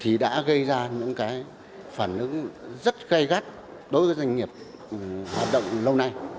thì đã gây ra những cái phản ứng rất gây gắt đối với doanh nghiệp hoạt động lâu nay